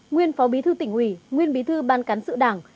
nguyên phó bí thư tỉnh ủy nguyên bí thư ban cán sự đảng